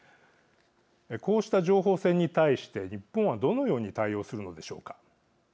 こうした情報戦に対して日本はどのように対応するのでしょうか。